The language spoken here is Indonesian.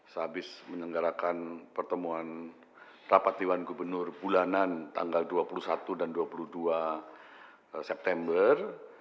sehabis menyelenggarakan pertemuan rapat dewan gubernur bulanan tanggal dua puluh satu dan dua puluh dua september